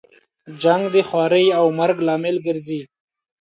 جنګ د خوارۍ او مرګ لامل ګرځي.